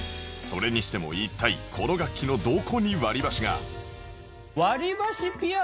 それにしても一体この楽器のどこに割り箸が？